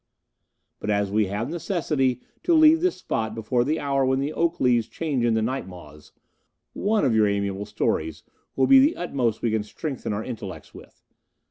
But as we have necessity to leave this spot before the hour when the oak leaves change into night moths, one of your amiable stories will be the utmost we can strengthen our intellects with.